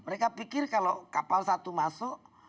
mereka pikir kalau kapal satu masuk